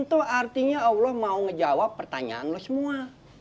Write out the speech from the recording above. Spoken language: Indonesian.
itu artinya allah mau ngejawab pertanyaan lu semua